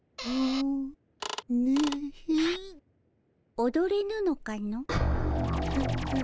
おどれぬのかの？